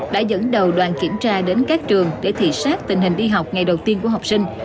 đã dẫn đầu đoàn kiểm tra đến các trường để thị xác tình hình đi học ngày đầu tiên của học sinh